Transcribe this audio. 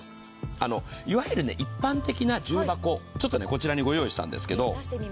いわゆる一般的な重箱、こちらにご用意したんですけど。